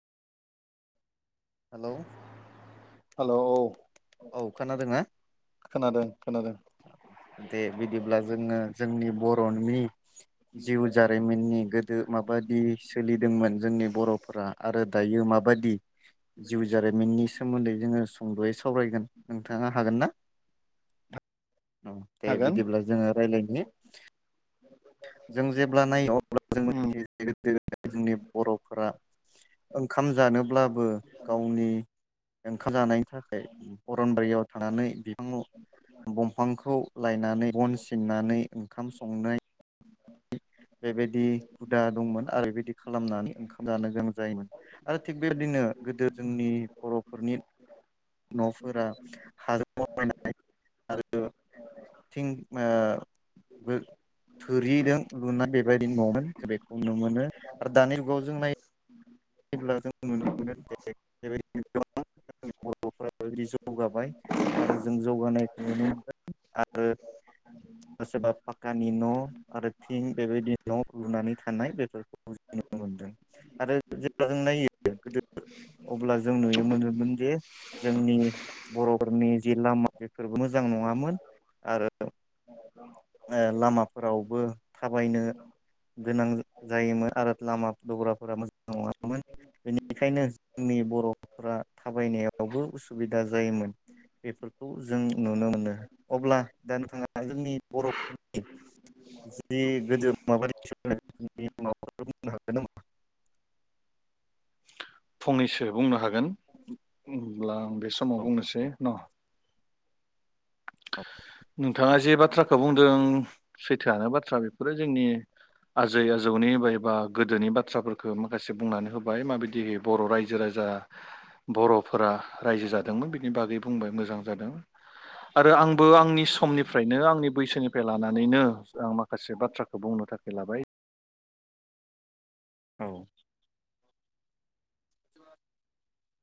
Hello hello औ औ खोनादोंना खोनादों। खोनादों दे बिदिब्ला जोङो जोंनि ब [unintelligible] जिउ जारिमिननि गोदो माबादि सोलिदोंमोन जोंनि बरफ्रा आरो दायो माबादि जिउ जारिमिननि सोमोन्दै जोङो सुंद'यै सावरायगोन नोंथाङा हागोन ना? ओ दे हागोन बिदिब्ला जोङो रायलायनि। जों जेब्ला नायो उम [unintelligible] जोंनि बर'फोरा ओंखाम जानोब। ब्लाबो गावनि ओंखाम जानायनि थाखाय अर'नबारियाव थानानै बिफांआव बंफांखौ। लायनानै बन सिननानै ओंखाम संनाय बेबायदि हुदा दंमोन आरो बेबायदि खालामनानै ओंखाम जानो गोनां जायोमोन आरो थिग बेबायदिनो गोदो जोंनि बरफोरनि नफोरा [unintelligible] आरो थिं ओ थोरहिदों लुना [unintelligible] बेबादिनो ममेन्ट जे बेखौ नुनो मोनो आरो दानि जुगाव जों नायोब्ला जों नुनो मोनो जे बेबायदिनो गोबां बर'फोरा [unintelligible] जौगाबाय आरो जों जौगानायखौ नुनो मोनदों आरो सोरबा फाक्कानि न आरो थिं बेबायदि न लुनानै थानाय बेफोरखौ नुनो मोनदों आरो जेब्ला जों नायो गोदो अब्ला जों नुनो मोनोमोन जे जोंनि बरफोरनि जि लामा बेफोरबो मोजां नंङामोन आरो ओ लामाफोरावबो थाबायनो गोनां जायोमोन आरो लामा दबग्राफोरा मोजां नंङामोन। बेनिखायनो जोंनि बर'फोरा थाबायनायावबो उसुबिदा जायोमोन बेफोरखौ जों नुनो मोनो। अब्ला दा नोंथाङा जोंनि बर'फोरनि जि गोदो माबादि [unintelligible] फंनैसो बुंनो हागोन हागोन उम लां बे समाव बुंनोसै न नोंथांङा जे बाथ्राखौ बुंदों सैथोआनो बाथ्रा बेफोरो जोंनि आजै आजौनि मायबा एबा गोदोनि बाथ्राफोरखौ माखासे बुंनानै होबाय माबायदि बर रायजो राजा बरफोरा रायजो जादोंमोन बिनि बागै बुंबाय मोजां जादों आरो आंबो आंनि समनिफ्रायनो आंनि बैसोनिफ्राय लानानैनो आं माखासे बाथ्राखौ बुंनो थाखाय लाबाय औ [inaudible]